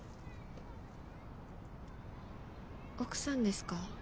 奥さんですか？